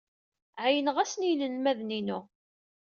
Ɛeyyneɣ-asen i yinelmaden-inu.